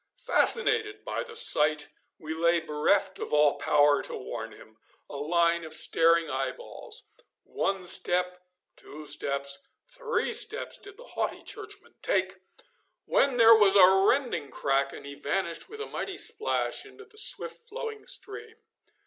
Fascinated by the sight, we lay bereft of all power to warn him a line of staring eyeballs. One step, two steps, three steps did the haughty Churchman take, when there was a rending crack, and he vanished with a mighty splash into the swift flowing stream.